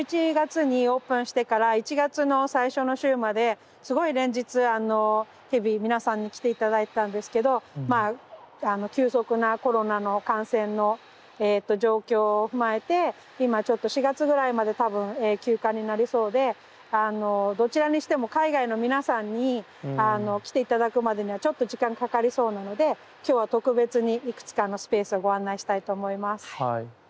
１１月にオープンしてから１月の最初の週まですごい連日日々皆さんに来て頂いてたんですけどまあ急速なコロナの感染の状況を踏まえて今ちょっと４月ぐらいまで多分休館になりそうでどちらにしても海外の皆さんに来て頂くまでにはちょっと時間がかかりそうなので今日は特別にいくつかのスペースをご案内したいと思います。